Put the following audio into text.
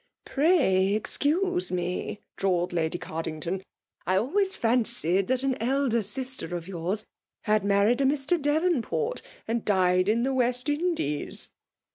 —' Pray excuse me',' drawled Lady Cardington, * I always fan cied than an elder sister of yours had married a Mt. Devonport, and died in the West Indies.'